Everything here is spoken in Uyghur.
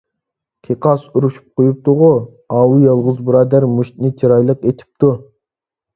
قىقاس ئۇرۇشۇپ قويۇپتۇغۇ. ئاۋۇ يالغۇز بۇرادەر مۇشتنى چىرايلىق ئېتىپتۇ.